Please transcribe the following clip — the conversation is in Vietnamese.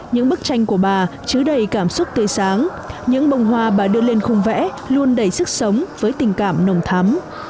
những bức tranh của bà chứa đầy cảm xúc tươi sáng những bông hoa bà đưa lên khung vẽ luôn đầy sức sống với tình cảm nồng thắm